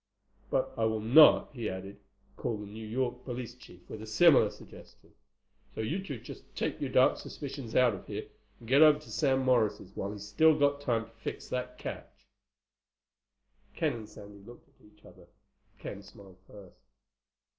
"But I will not," he added, "call the New York police chief with a similar suggestion. So you two just take your dark suspicions out of here, and get over to Sam Morris's while he's still got time to fix that catch." Ken and Sandy looked at each other. Ken smiled first.